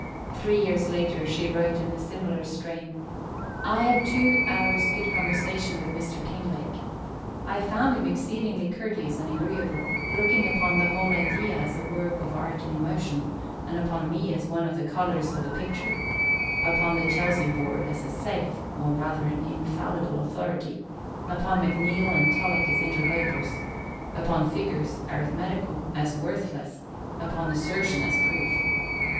Three years later, she wrote in a similar strain: I had two hours' good conversation with Mr. Kinglake. I found him exceedingly courteous and agreeable; looking upon the whole idea as a work of art and emotion, and upon me as one of the colours in the picture; upon the Chelsea Board as a safe (or rather an infallible) authority; upon McNeill and Tulloch as interlopers; upon figures (arithmetical) as worthless; upon assertion as proof.